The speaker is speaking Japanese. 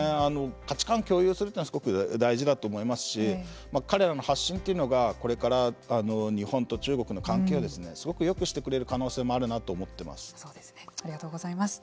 価値観を共有するというのはすごく大事だと思いますし彼らの発信というのがこれから日本と中国の関係をすごくよくしてくれる可能性もありがとうございます。